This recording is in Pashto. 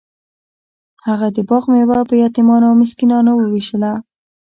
هغه د باغ میوه په یتیمانو او مسکینانو ویشله.